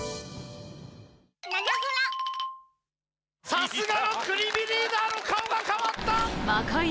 さすがの國見リーダーの顔が変わった！